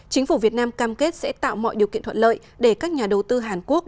chính phủ việt nam cam kết sẽ tạo mọi điều kiện thuận lợi để các nhà đầu tư hàn quốc